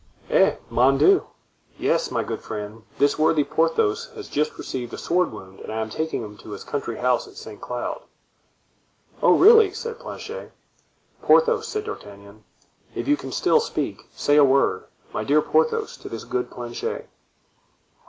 "Eh! mon Dieu! yes, my good friend, this worthy Porthos has just received a sword wound and I am taking him to his country house at Saint Cloud." "Oh! really," said Planchet. "Porthos," said D'Artagnan, "if you can still speak, say a word, my dear Porthos, to this good Planchet."